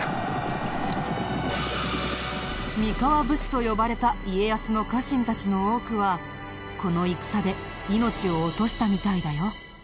三河武士と呼ばれた家康の家臣たちの多くはこの戦で命を落としたみたいだよ。